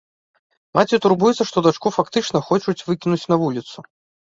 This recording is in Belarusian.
Маці турбуецца, што дачку фактычна хочуць выкінуць на вуліцу.